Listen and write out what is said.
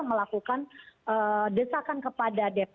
melakukan desakan kepada dpr